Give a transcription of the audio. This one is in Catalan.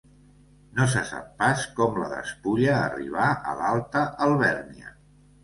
No se sap pas com la despulla arribà a l'Alta Alvèrnia.